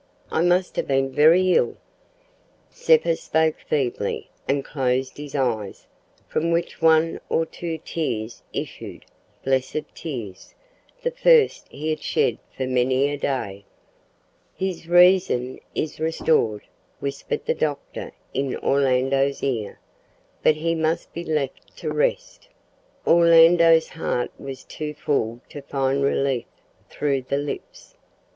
I must have been very ill." Zeppa spoke feebly, and closed his eyes, from which one or two tears issued blessed tears! the first he had shed for many a day. "His reason is restored," whispered the doctor in Orlando's ear, "but he must be left to rest." Orlando's heart was too full to find relief through the lips.